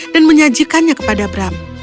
dan menyajikannya kepada bram